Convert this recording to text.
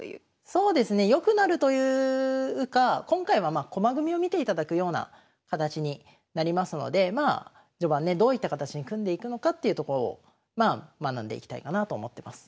そうですね良くなるというか今回はまあ駒組みを見ていただくような形になりますのでまあ序盤ねどういった形に組んでいくのかっていうところを学んでいきたいかなと思ってます。